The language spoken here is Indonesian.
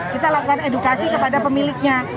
kita lakukan edukasi kepada pemiliknya